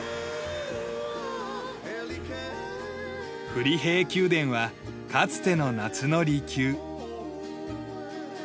フリヘエ宮殿はかつての夏の離宮。